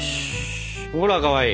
ほらかわいい！